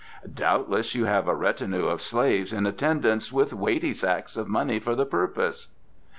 Doubtless you have a retinue of slaves in attendance with weighty sacks of money for the purpose?"